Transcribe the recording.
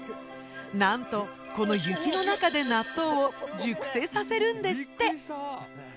なんとこの雪の中で納豆を熟成させるんですって。